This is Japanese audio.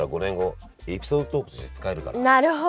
なるほど！